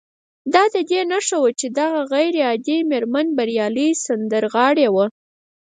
دا د دې نښه وه چې دغه غير عادي مېرمن بريالۍ سندرغاړې وه